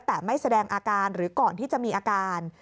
แต่ไม่แสดงอาการหรือก่อนที่จะมีอาการ